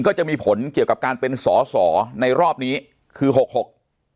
ก็จะมีผลเกี่ยวกับการเป็นสอสอในรอบนี้คือหกหก